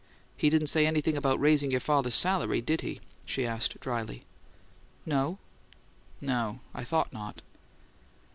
"He didn't say anything about raising your father's salary, did he?" she asked, dryly. "No." "No. I thought not."